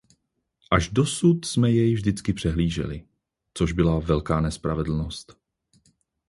Až dosud jsme jej vždycky přehlíželi, což byla velká nespravedlnost.